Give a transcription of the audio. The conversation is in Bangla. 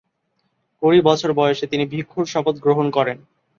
কুড়ি বছর বয়সে তিনি ভিক্ষুর শপথ গ্রহণ করেন।